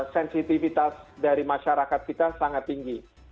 sensitivitas dari masyarakat kita sangat tinggi